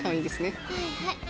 はいはい。